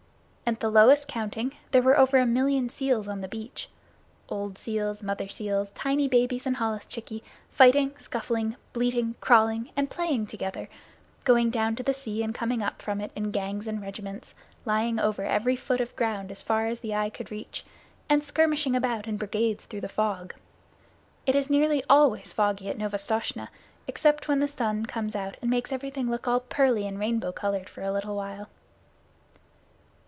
At the lowest counting there were over a million seals on the beach old seals, mother seals, tiny babies, and holluschickie, fighting, scuffling, bleating, crawling, and playing together going down to the sea and coming up from it in gangs and regiments, lying over every foot of ground as far as the eye could reach, and skirmishing about in brigades through the fog. It is nearly always foggy at Novastoshnah, except when the sun comes out and makes everything look all pearly and rainbow colored for a little while.